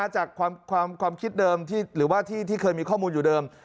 จากความคิดเดิมหรือว่าที่เคยมีข้อมูลอยู่เดิม